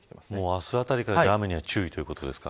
明日あたりから雨には注意ということですか。